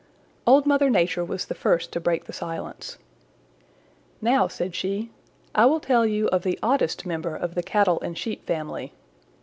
Old Mother Nature was the first to break the silence. "Now," said she, "I will tell you of the oddest member of the Cattle and Sheep family.